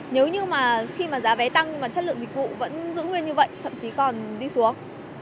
nếu như mà khi mà giá vé tăng mà chất lượng dịch vụ vẫn giữ nguyên như vậy thậm chí còn đi xuống